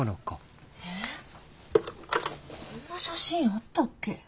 こんな写真あったっけ？